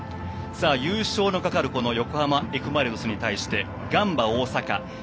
優勝の懸かる横浜Ｆ・マリノスに対してガンバ大阪。